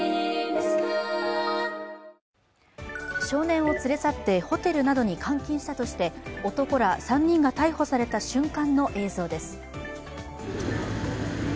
少年を連れ去って、ホテルなどに監禁したとして男ら３人が逮捕された瞬間の映像です。